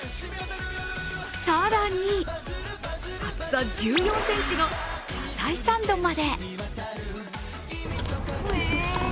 更に、厚さ１４ｃｍの野菜サンドまで。